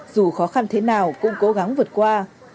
dù khó khăn thế nào cũng cố gắng vượt qua